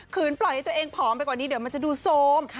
ปล่อยให้ตัวเองผอมไปกว่านี้เดี๋ยวมันจะดูโซม